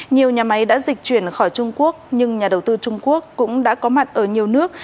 nhiều nhà máy đã dịch chuyển khỏi trung quốc nhưng nhà đầu tư trung quốc cũng đã có mặt ở nhiều nước